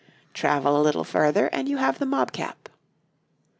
Travel a little further and you have the mob cap.